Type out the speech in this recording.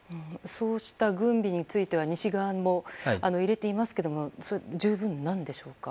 そうした軍備については西側も入れていますけども十分なんでしょうか。